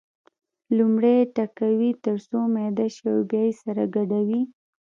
لومړی یې ټکوي تر څو میده شي او بیا یې سره ګډوي.